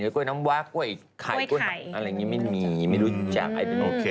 กล้วยไข่